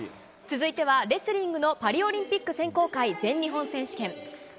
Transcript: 続いてはレスリングのパリオリンピック、全日本選手権。